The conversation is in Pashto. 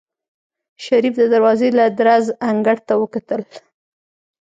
شريف د دروازې له درزه انګړ ته وکتل.